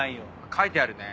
書いてあるね。